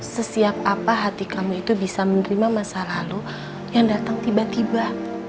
sesiap apa hati kamu itu bisa menerima masa lalu yang datang tiba tiba